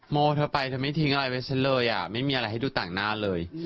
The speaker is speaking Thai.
โมเธอไปเธอไม่ทิ้งอะไรไว้ฉันเลยอ่ะไม่มีอะไรให้ดูต่างหน้าเลย